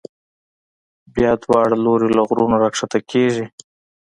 بیا دواړه لوري له غرونو را کښته کېږي.